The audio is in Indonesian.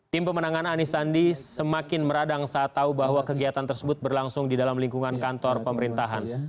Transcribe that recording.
tim pemenangan anies sandi semakin meradang saat tahu bahwa kegiatan tersebut berlangsung di dalam lingkungan kantor pemerintahan